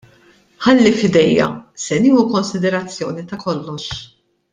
Ħalli f'idejja; se nieħu konsiderazzjoni ta' kollox.